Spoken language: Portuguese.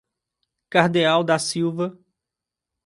Cardeal da Silva